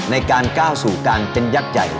ในการก้าวสู่การเป็นยักษ์ใหญ่